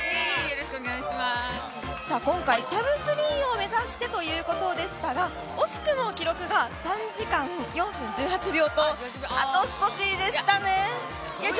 今回サブ３を目指してということでしたが惜しくも記録が３時間４分１８秒ということであと少しでしたね。